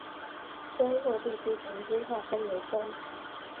州或地区重新划分为州。